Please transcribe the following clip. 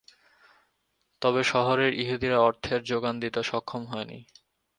তবে শহরের ইহুদিরা অর্থের যোগান দিতে সক্ষম হয়নি।